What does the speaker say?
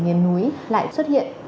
nghe núi lại xuất hiện